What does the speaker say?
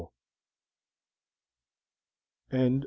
THE END.